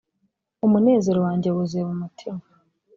umunezero wanjye wuzuye mumutima.